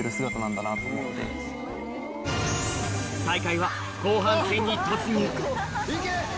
大会は後半戦に突入行け！